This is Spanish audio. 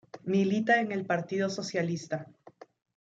Milita en el Partido Socialista.